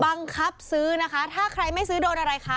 บังคับซื้อนะคะถ้าใครไม่ซื้อโดนอะไรคะ